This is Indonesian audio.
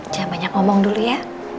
jangan banyak ngomong dulu ya